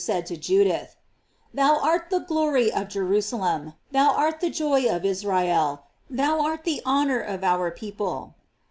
said to Judith: "Thou art the glory of Jerns* lem, thou art the joy of Israel, them art the hon or of our people."